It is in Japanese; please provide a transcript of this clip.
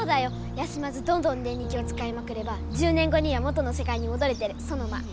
休まずどんどんデンリキをつかいまくれば１０年後には元のせかいにもどれてるソノマ。